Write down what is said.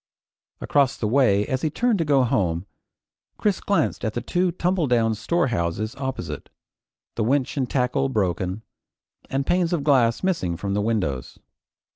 Across the way as he turned to go home, Chris glanced at the two tumbledown storehouses opposite, the winch and tackle broken, and panes of glass missing from the windows.